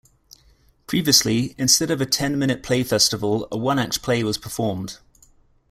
Previously, instead of a ten-minute play festival, a one-act play was performed.